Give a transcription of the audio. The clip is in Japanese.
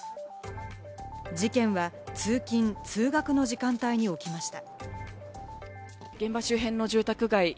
事件は通勤・通学の時間帯に起きました。